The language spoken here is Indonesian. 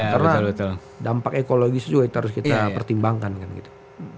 karena dampak ekologis itu juga harus kita pertimbangkan kan gitu